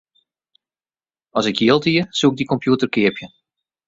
As ik jild hie, soe ik dy kompjûter keapje.